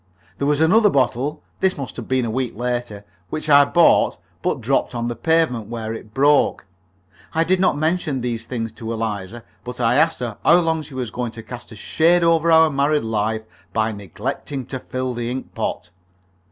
There was another bottle (this must have been a week later) which I bought, but dropped on the pavement, where it broke. I did not mention these things to Eliza, but I asked her how much longer she was going to cast a shade over our married life by neglecting to fill the ink pot.